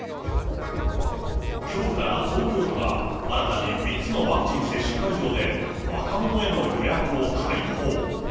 きょうから東京都が、新たに３つのワクチン接種会場で、若者への予約を開放。